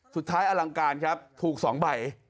สุดท้ายอลังการครับถูก๒ใบ